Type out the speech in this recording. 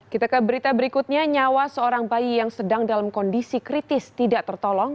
kita ke berita berikutnya nyawa seorang bayi yang sedang dalam kondisi kritis tidak tertolong